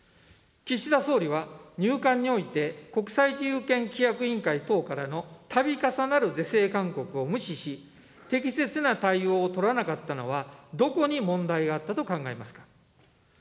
岸田総理は入管において、国際自由権規約委員会等からのたび重なる是正勧告を無視し、適切な対応を取らなかったのはどこに問題があったと考えますか。